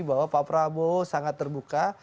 bahwa pak prabowo sangat terbuka